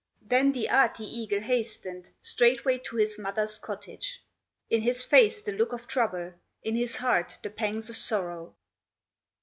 Then the Ahti eagle hastened Straightway to his mother's cottage, In his face the look of trouble, In his heart the pangs of sorrow.